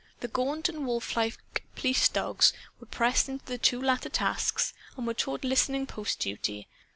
The gaunt and wolflike police dogs were pressed into the two latter tasks, and were taught listening post duty.